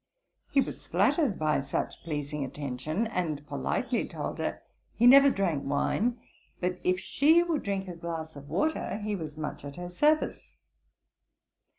He was flattered by such pleasing attention, and politely told her, he never drank wine; but if she would drink a glass of water, he was much at her service.